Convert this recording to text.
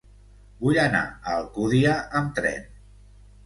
Vull anar a Alcúdia amb tren.